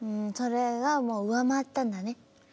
それがもう上回ったんだね。